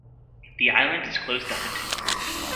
The island is closed to hunting.